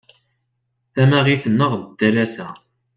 Tamagit-nneɣ d talsa.